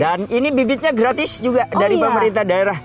dan ini bibitnya gratis juga dari pemerintah daerah